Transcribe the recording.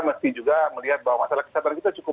mesti juga melihat bahwa masalah kesehatan kita cukup